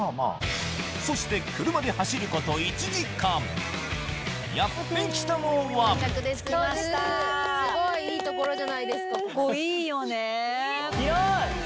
そして車で走ることやって来たのはすごいいい所じゃないですか。